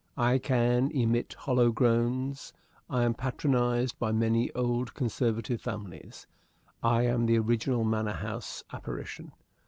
I can emit hollow groans. I am patronized by many old conservative families. I am the original manor house apparition.